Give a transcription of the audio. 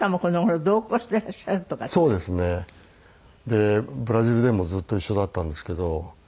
でブラジルでもずっと一緒だったんですけど。